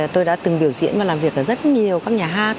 tôi đã từng biểu diễn và làm việc ở rất nhiều các nhà hát